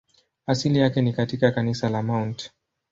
Asili yake ni katika kanisa la Mt.